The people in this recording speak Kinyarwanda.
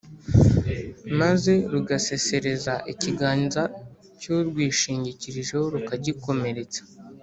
maze rugasesereza ikiganza cy’urwishingikirijeho rukagikomeretsa.